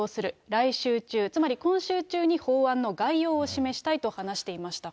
来週中、つまり今週中に法案の概要を示したいと話していました。